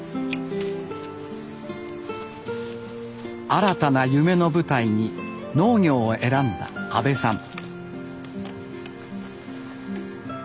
新たな夢の舞台に農業を選んだ阿部さん。